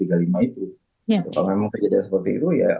kalau memang terjadi seperti itu ya